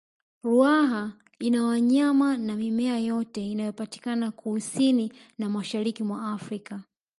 ruaha ina wanyama na mimea yote inayopatikana kusini na mashariki mwa afrika